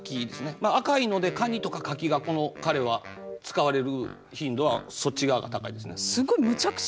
まあ赤いので蟹とか柿がこの彼は使われる頻度はそっち側が高いですね。